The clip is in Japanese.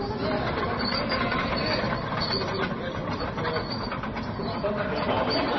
全くないならないでちゃんと頑張らないと。